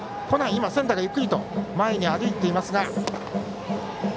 今、センターがゆっくり前に歩いていますが。